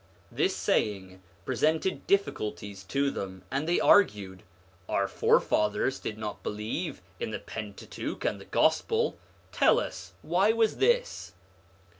' This saying presented difficulties to them, and they argued :' Our forefathers did not believe in the Pentateuch and the Gospel: tell us, why was this?'